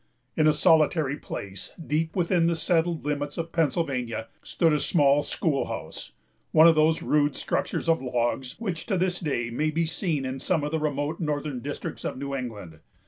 In a solitary place, deep within the settled limits of Pennsylvania, stood a small school house, one of those rude structures of logs which, to this day, may be seen in some of the remote northern districts of New England.